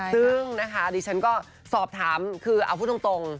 ซึ่งนะคะดิฉันก็สอบถามคือเอาพูดตรง